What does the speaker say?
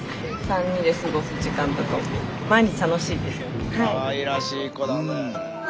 日々かわいらしい子だね。